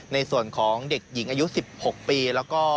ในส่วนของเด็กหญิงอายุ๑๖ปีแล้วก็